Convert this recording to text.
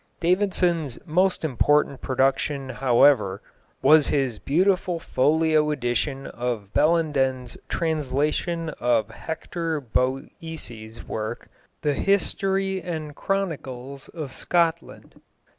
Davidson's most important production, however, was his beautiful folio edition of Bellenden's translation of Hector Boece's work, The hystory and croniklis of Scotland.